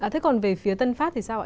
thế còn về phía tân pháp thì sao ạ